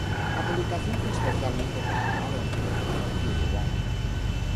La publicación fue especialmente popular en Perú y Uruguay.